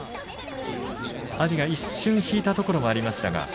阿炎が一瞬、引いたところもありましたが。